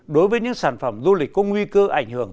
đối với những sản phẩm du lịch có nguy cơ ảnh hưởng